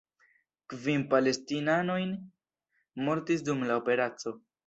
Kvin palestinanoj mortis dum la operaco.